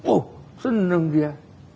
oh senang dia